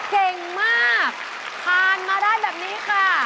เก่งมากผ่านมาได้แบบนี้ค่ะ